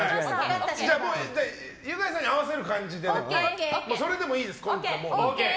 ユカイさんに合わせる感じでそれでもいいです、今回。